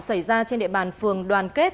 xảy ra trên địa bàn phường đoàn kết